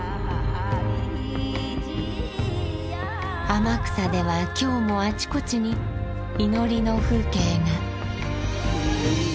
天草では今日もあちこちに祈りの風景が。